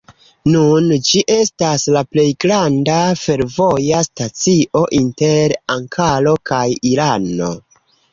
Nun ĝi estas la plej granda fervoja stacio inter Ankaro kaj Irano.